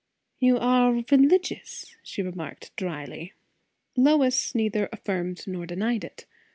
"You are religious!" she remarked dryly. Lois neither affirmed nor denied it.